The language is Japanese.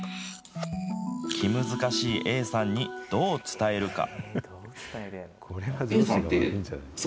気難しいＡさんにどう伝えるか。